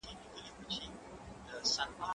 که وخت وي لوښي وچوم